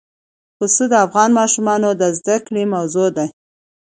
پسه د افغان ماشومانو د زده کړې موضوع ده.